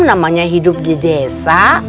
namanya hidup di desa